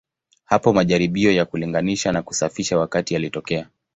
Hapo majaribio ya kulinganisha na kusafisha wakati yalitokea.